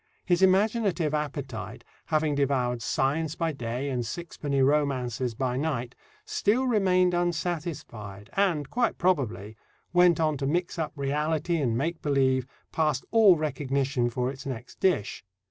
His imaginative appetite, having devoured science by day and sixpenny romances by night, still remained unsatisfied, and, quite probably, went on to mix up reality and make believe past all recognition for its next dish.